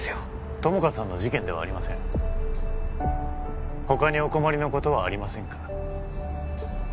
友果さんの事件ではありません他にお困りのことはありませんか？